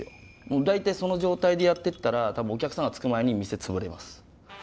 もう大体その状態でやってったら多分お客さんがつく前に店潰れます。